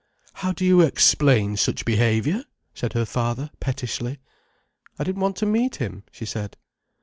"How do you explain such behaviour?" said her father pettishly. "I didn't want to meet him," she said.